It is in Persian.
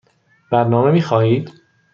برنامه می خواهید؟